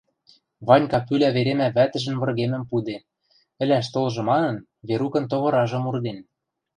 Ванька пӱлӓ веремӓ вӓтӹжӹн выргемӹм пуде, ӹлӓш толжы манын, Верукын товыражым урден.